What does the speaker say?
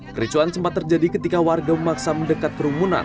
kericuan sempat terjadi ketika warga memaksa mendekat kerumunan